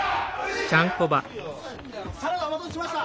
サラダお待たせしました！